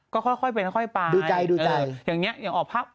ก็ค่อยเฟ้นแล้วค่อยไปอย่างนี้อย่างผ้า